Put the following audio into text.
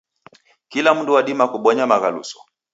Kila mndu wadima kubonya maghaluso.